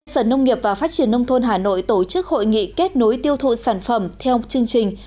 sở nông nghiệp và phát triển nông thôn hà nội tổ chức hội nghị kết nối tiêu thụ sản phẩm theo chương trình